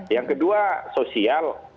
yang kedua sosial